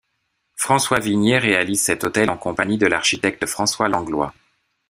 François Vignier réalise cet autel en compagnie de l'architecte François Langlois.